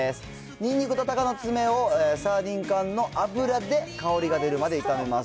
ニンニクとたかのつめをサーディン缶の脂で香りが出るまで炒めます。